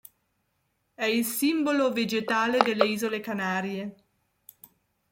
È il simbolo vegetale delle Isole Canarie.